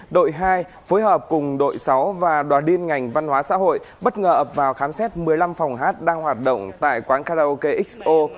đội hai phối hợp cùng đội sáu và đoàn điên ngành văn hóa xã hội bất ngờ ập vào khám xét một mươi năm phòng hát đang hoạt động tại quán karaoke xo